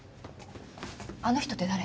あの人って誰？